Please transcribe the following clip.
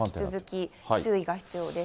注意が必要です。